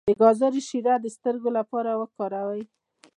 د ګازرې شیره د سترګو لپاره وکاروئ